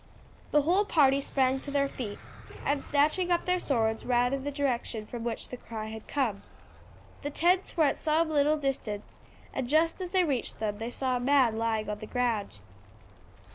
The whole party sprang to their feet, and snatching up their swords ran in the direction from which the cry had come. The tents were at some little distance, and just as they reached them they saw a man lying on the ground.